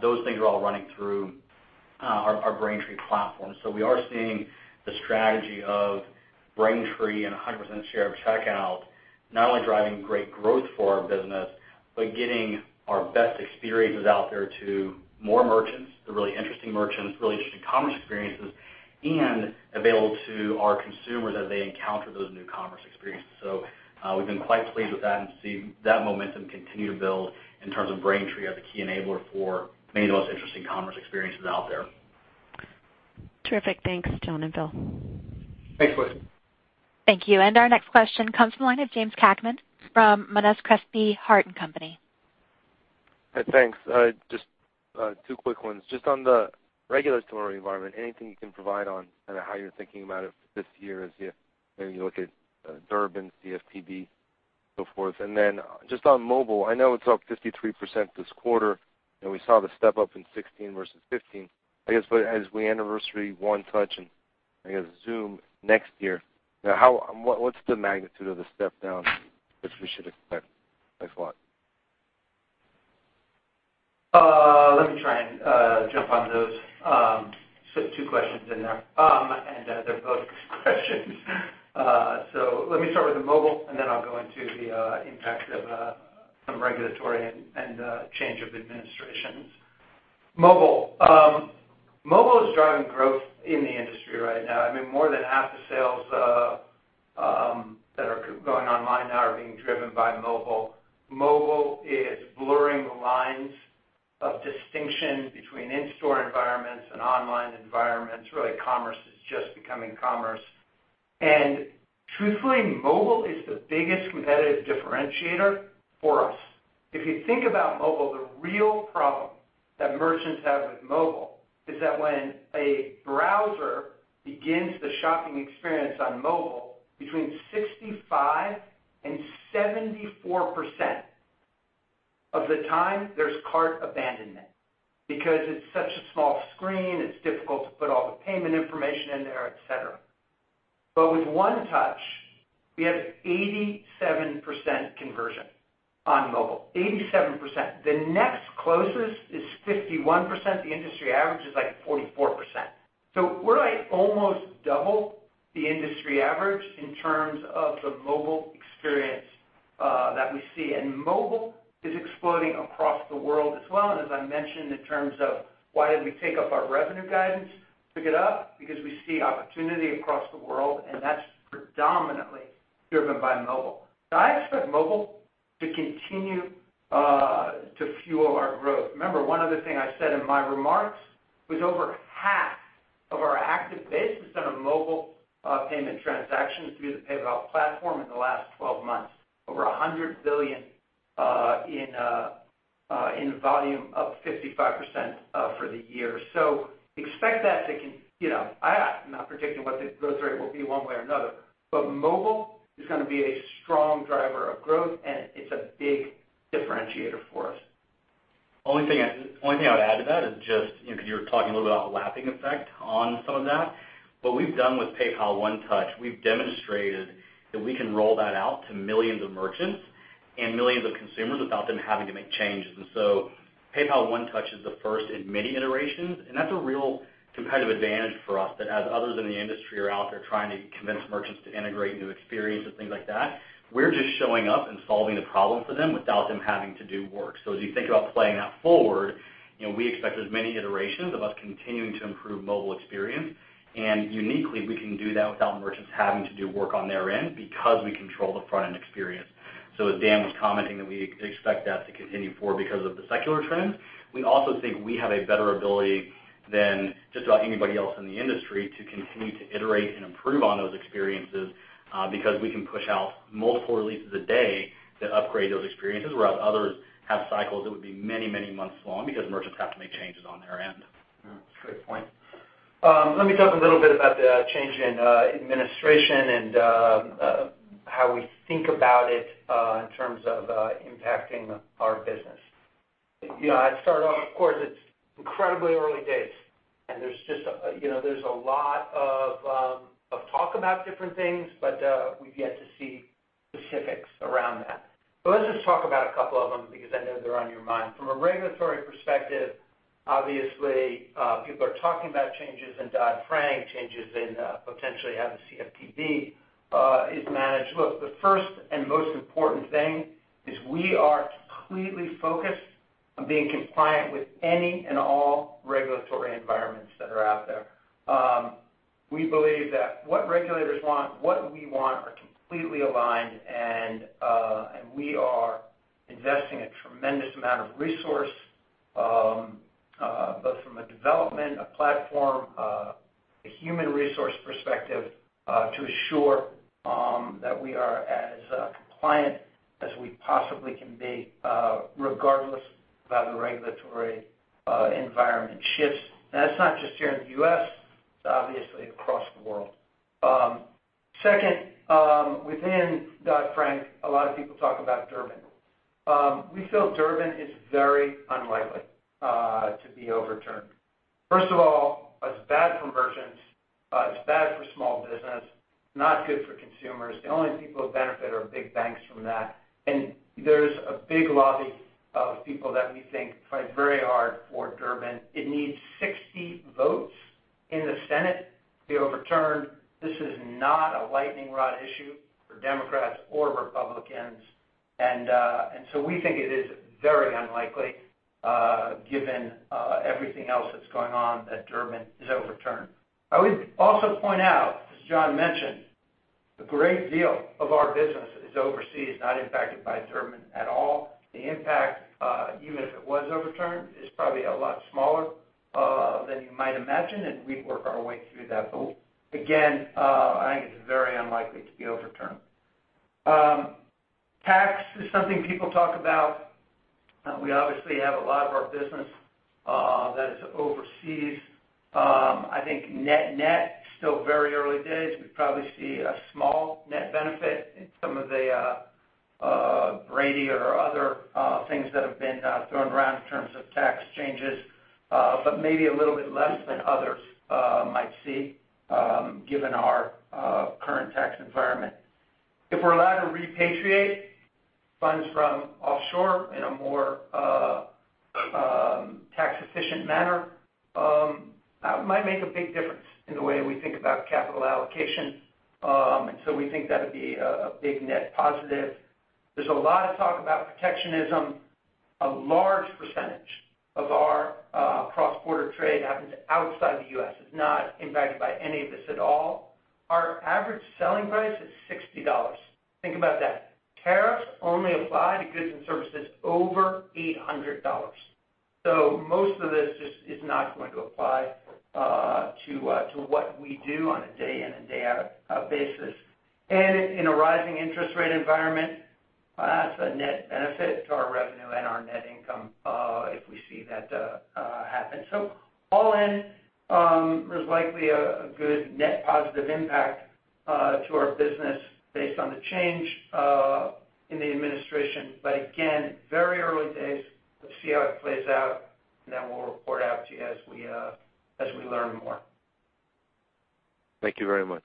Those things are all running through our Braintree platform. We are seeing the strategy of Braintree and a 100% share of checkout not only driving great growth for our business, but getting our best experiences out there to more merchants, the really interesting merchants, really interesting commerce experiences, and available to our consumers as they encounter those new commerce experiences. We've been quite pleased with that and see that momentum continue to build in terms of Braintree as a key enabler for many of the most interesting commerce experiences out there. Terrific. Thanks, John and Bill. Thanks, Lisa. Thank you. Our next question comes from the line of James Cakmak from Monness, Crespi, Hardt & Co. Thanks. Just two quick ones. Just on the regulatory environment, anything you can provide on kinda how you're thinking about it this year as you know, you look at Durbin, CFPB, so forth. Just on mobile, I know it's up 53% this quarter, and we saw the step-up in 2016 versus 2015. I guess, but as we anniversary One Touch and I guess Xoom next year, now what's the magnitude of the step-down that we should expect? Thanks a lot. Let me try and jump on those, so two questions in there. They're both questions. Let me start with the mobile, and then I'll go into the impact of some regulatory and change of administrations. Mobile. Mobile is driving growth in the industry right now. I mean, more than half the sales that are going online now are being driven by mobile. Mobile is blurring the lines of distinction between in-store environments and online environments. Really, commerce is just becoming commerce. Truthfully, mobile is the biggest competitive differentiator for us. If you think about mobile, the real problem that merchants have with mobile is that when a browser begins the shopping experience on mobile, between 65%-74% of the time there's cart abandonment because it's such a small screen, it's difficult to put all the payment information in there, et cetera. With One Touch, we have 87% conversion on mobile. 87%. The next closest is 51%. The industry average is like 44%. We're like almost double the industry average in terms of the mobile experience that we see. Mobile is exploding across the world as well. As I mentioned in terms of why did we take up our revenue guidance, took it up because we see opportunity across the world, and that's predominantly driven by mobile. I expect mobile to continue to fuel our growth. Remember, one other thing I said in my remarks was over half of our active base has done a mobile payment transaction through the PayPal platform in the last 12 months. Over $100 billion. In volume up 55% for the year. Expect that to you know, I'm not predicting what the growth rate will be one way or another, but mobile is gonna be a strong driver of growth, and it's a big differentiator for us. Only thing I would add to that is just, you know, because you were talking a little bit about a lapping effect on some of that, what we've done with PayPal One Touch, we've demonstrated that we can roll that out to millions of merchants and millions of consumers without them having to make changes. PayPal One Touch is the first in many iterations, and that's a real competitive advantage for us that as others in the industry are out there trying to convince merchants to integrate new experiences, things like that, we're just showing up and solving the problem for them without them having to do work. As you think about playing that forward, you know, we expect as many iterations of us continuing to improve mobile experience. Uniquely, we can do that without merchants having to do work on their end because we control the front-end experience. As Dan was commenting that we expect that to continue forward because of the secular trend, we also think we have a better ability than just about anybody else in the industry to continue to iterate and improve on those experiences, because we can push out multiple releases a day to upgrade those experiences, whereas others have cycles that would be many, many months long because merchants have to make changes on their end. Yeah. Good point. Let me talk a little bit about the change in administration and how we think about it in terms of impacting our business. You know, I'd start off, of course, it's incredibly early days, and there's just, you know, there's a lot of talk about different things, but we've yet to see specifics around that. Let's just talk about a couple of them because I know they're on your mind. From a regulatory perspective, obviously, people are talking about changes in Dodd-Frank, changes in potentially how the CFPB is managed. Look, the first and most important thing is we are completely focused on being compliant with any and all regulatory environments that are out there. We believe that what regulators want, what we want are completely aligned, and we are investing a tremendous amount of resource, both from a development, a platform, a human resource perspective, to assure that we are as compliant as we possibly can be, regardless of how the regulatory environment shifts. That's not just here in the U.S., it's obviously across the world. Second, within Dodd-Frank, a lot of people talk about Durbin. We feel Durbin is very unlikely to be overturned. First of all, it's bad for merchants, it's bad for small business, not good for consumers. The only people who benefit are big banks from that. There's a big lobby of people that we think fight very hard for Durbin. It needs 60 votes in the Senate to be overturned. This is not a lightning rod issue for Democrats or Republicans. We think it is very unlikely, given everything else that's going on that Durbin is overturned. I would also point out, as John mentioned, a great deal of our business is overseas, not impacted by Durbin at all. The impact, even if it was overturned, is probably a lot smaller than you might imagine, and we'd work our way through that. Again, I think it's very unlikely to be overturned. Tax is something people talk about. We obviously have a lot of our business that is overseas. I think net-net, still very early days, we probably see a small net benefit in some of the Brady or other things that have been thrown around in terms of tax changes, but maybe a little bit less than others might see, given our current tax environment. If we're allowed to repatriate funds from offshore in a more tax-efficient manner, that might make a big difference in the way we think about capital allocation. We think that would be a big net positive. There's a lot of talk about protectionism. A large percentage of our cross-border trade happens outside the U.S. It's not impacted by any of this at all. Our average selling price is $60. Think about that. Tariffs only apply to goods and services over $800. Most of this just is not going to apply to what we do on a day in and day out basis. In a rising interest rate environment, that's a net benefit to our revenue and our net income if we see that happen. All in, there's likely a good net positive impact to our business based on the change in the administration. Again, very early days. Let's see how it plays out, and then we'll report out to you as we learn more. Thank you very much.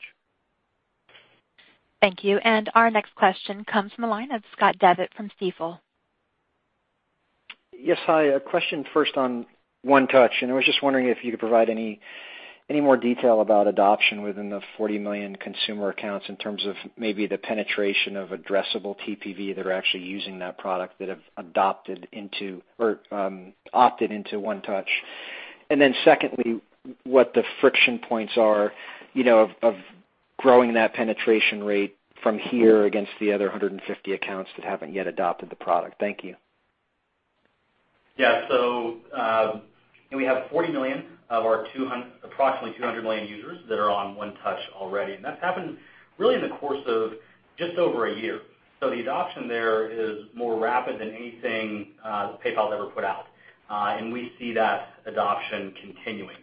Thank you. Our next question comes from the line of Scott Devitt from Stifel. Yes. Hi. A question first on One Touch. I was just wondering if you could provide any more detail about adoption within the 40 million consumer accounts in terms of maybe the penetration of addressable TPV that are actually using that product that have adopted into or opted into One Touch. Secondly, what the friction points are, you know, of growing that penetration rate from here against the other 150 accounts that haven't yet adopted the product. Thank you. Yeah. We have 40 million of our approximately 200 million users that are on One Touch already. That's happened really in the course of just over a year. The adoption there is more rapid than anything PayPal's ever put out. We see that adoption continuing.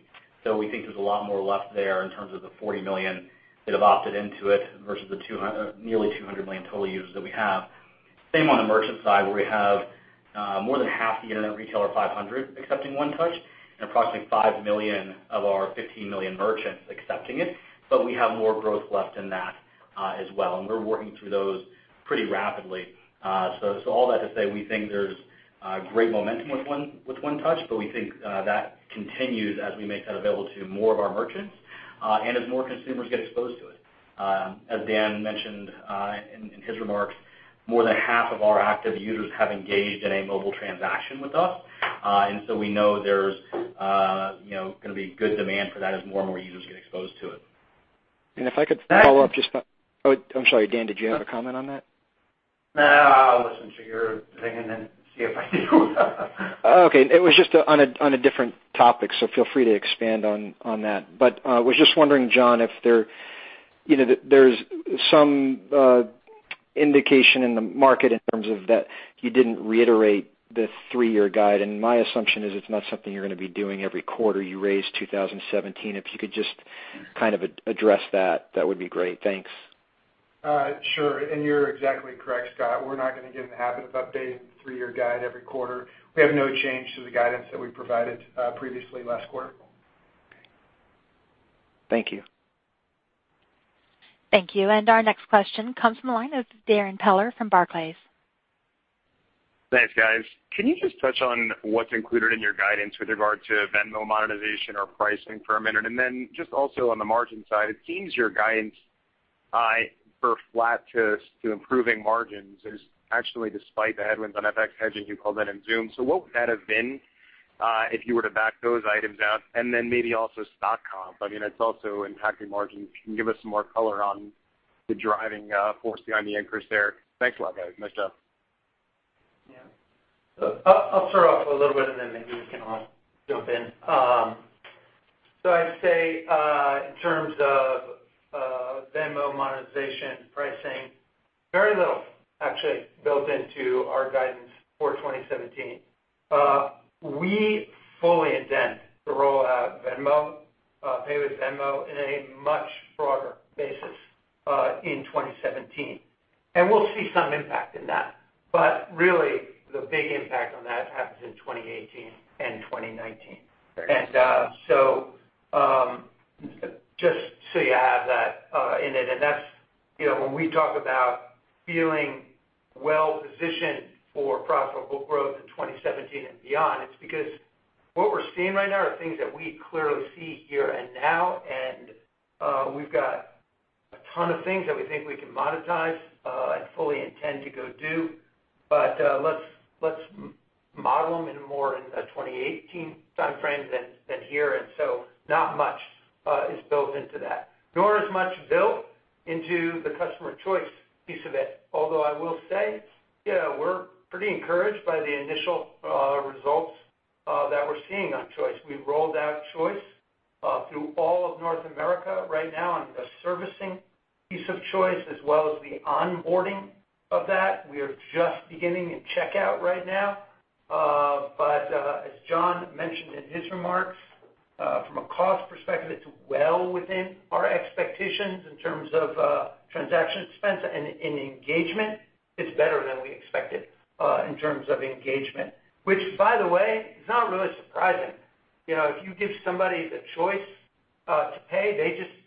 We think there's a lot more left there in terms of the 40 million that have opted into it versus the nearly 200 million total users that we have. Same on the merchant side, where we have more than half the Internet Retailer Top 500 accepting One Touch and approximately 5 million of our 15 million merchants accepting it, we have more growth left in that as well, and we're working through those pretty rapidly. All that to say, we think there's great momentum with One Touch. We think that continues as we make that available to more of our merchants and as more consumers get exposed to it. As Dan mentioned in his remarks, more than half of our active users have engaged in a mobile transaction with us. We know there's, you know, gonna be good demand for that as more and more users get exposed to it. If I could follow up just by Oh, I'm sorry, Dan, did you have a comment on that? No, I'll listen to your thing and then see if I do. Okay. It was just on a different topic, so feel free to expand on that. Was just wondering, John, if there, you know, there's some indication in the market in terms of that you didn't reiterate the three-year guide, and my assumption is it's not something you're gonna be doing every quarter. You raised 2017. If you could just kind of address that would be great. Thanks. Sure. You're exactly correct, Scott. We're not gonna get in the habit of updating the three-year guide every quarter. We have no change to the guidance that we provided previously last quarter. Thank you. Thank you. Our next question comes from the line of Darrin Peller from Barclays. Thanks, guys. Can you just touch on what's included in your guidance with regard to Venmo monetization or pricing for a minute? Just also on the margin side, it seems your guidance for flat to improving margins is actually despite the headwinds on FX hedging, you called that in Xoom. What would that have been if you were to back those items out? Maybe also stock comp. I mean, it's also impacting margins. If you can give us some more color on the driving force behind the anchors there. Thanks a lot, guys. Nice job. Yeah. I'll start off a little bit. Then maybe you can jump in. I'd say in terms of Venmo monetization pricing, very little actually built into our guidance for 2017. We fully intend to roll out Venmo, pay with Venmo in a much broader basis in 2017. We'll see some impact in that. Really, the big impact on that happens in 2018 and 2019. Just so you have that in it, that's, you know, when we talk about feeling well-positioned for profitable growth in 2017 and beyond, it's because what we're seeing right now are things that we clearly see here and now, we've got a ton of things that we think we can monetize and fully intend to go do. Let's model them in more in a 2018 timeframe than here. Not much is built into that, nor is much built into the Customer Choice piece of it. I will say, you know, we're pretty encouraged by the initial results that we're seeing on Choice. We've rolled out Choice through all of North America right now on the servicing piece of Choice, as well as the onboarding of that. We are just beginning in checkout right now. As John mentioned in his remarks, from a cost perspective, it's well within our expectations in terms of transaction expense and in engagement. It's better than we expected in terms of engagement, which, by the way, is not really surprising. You know, if you give somebody the choice to pay,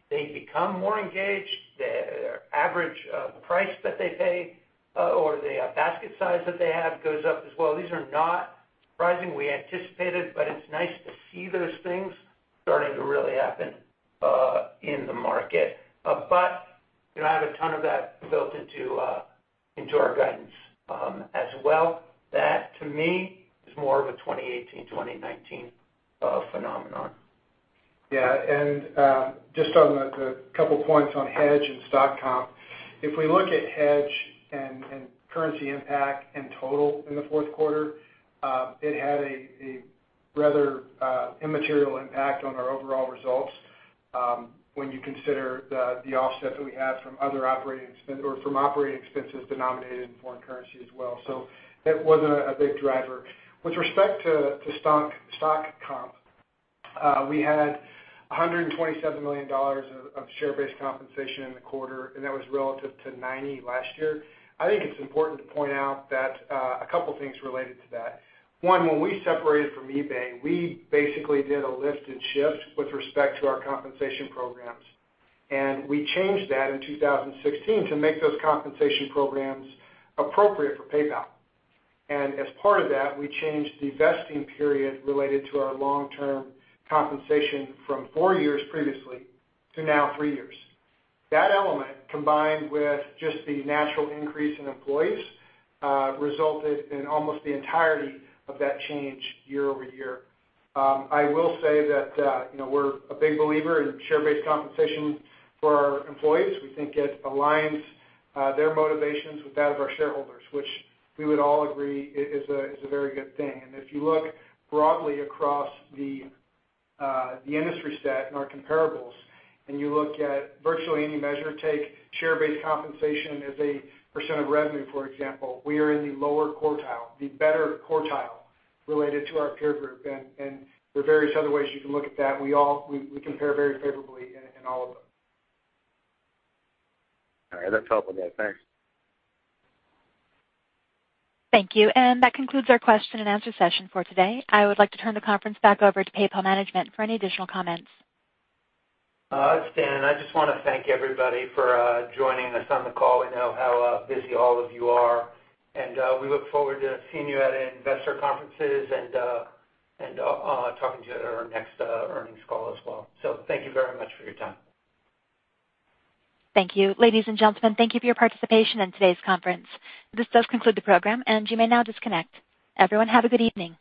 they become more engaged. The average price that they pay, or the basket size that they have goes up as well. These are not surprising. We anticipated, but it's nice to see those things starting to really happen in the market. You know, I have a ton of that built into our guidance as well. That, to me, is more of a 2018, 2019 phenomenon. Yeah. Just on the couple points on hedge and stock comp. If we look at hedge and currency impact and total in the fourth quarter, it had a rather immaterial impact on our overall results when you consider the offset that we had from other operating expense or from operating expenses denominated in foreign currency as well. That wasn't a big driver. With respect to stock comp, we had $127 million of share-based compensation in the quarter, and that was relative to $90 million last year. I think it's important to point out that a couple things related to that. One, when we separated from eBay, we basically did a lift and shift with respect to our compensation programs, and we changed that in 2016 to make those compensation programs appropriate for PayPal. As part of that, we changed the vesting period related to our long-term compensation from four years previously to now three years. That element, combined with just the natural increase in employees, resulted in almost the entirety of that change year-over-year. I will say that, you know, we're a big believer in share-based compensation for our employees. We think it aligns their motivations with that of our shareholders, which we would all agree is a very good thing. If you look broadly across the industry stat and our comparables, and you look at virtually any measure, take share-based compensation as a % of revenue, for example, we are in the lower quartile, the better quartile related to our peer group. There are various other ways you can look at that. We compare very favorably in all of them. All right. That's helpful, guys. Thanks. Thank you. That concludes our question-and-answer session for today. I would like to turn the conference back over to PayPal management for any additional comments. It's Dan, and I just wanna thank everybody for joining us on the call. We know how busy all of you are, and we look forward to seeing you at investor conferences and talking to you at our next earnings call as well. Thank you very much for your time. Thank you. Ladies and gentlemen, thank you for your participation in today's conference. This does conclude the program, and you may now disconnect. Everyone have a good evening.